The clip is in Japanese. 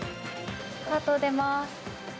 カート出ます。